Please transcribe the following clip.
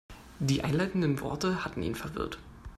Die einleitenden Worte hatten ihn verwirrt.